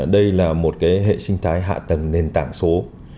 đây là một hệ sinh thái hạ tầng nền tảng số